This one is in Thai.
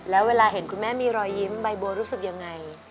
แล้วเวลาเห็นคุณแม่มีรอยยิ้มใบบัวรู้สึกยังไง